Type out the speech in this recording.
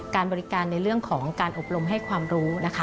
การบริการในเรื่องของการอบรมให้ความรู้นะคะ